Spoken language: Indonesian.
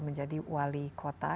menjadi wali kota